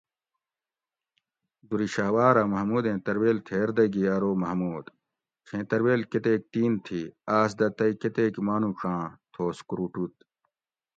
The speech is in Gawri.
دُر شھوارھہ محمودین ترویل تھیر دہ گی ارو محمود! چھیں ترویل کتیک تین تھی آس دہ تئ کتیک مانوڄاۤں تھوس کوروٹوت